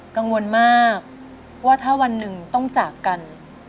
กังวลมากว่าถ้าวันหนึ่งต้องจากกัน